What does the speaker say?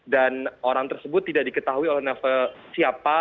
dan orang tersebut tidak diketahui oleh novel siapa